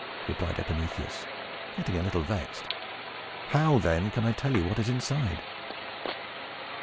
replied Epimetheus, getting a little vexed. "How, then, can I tell you what is inside?"